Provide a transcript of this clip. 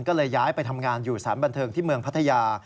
ก็เลยย้ายไปทำงานอยู่สารบันเทิงที่เมืองพัทยา